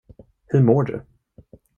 Hur mår du?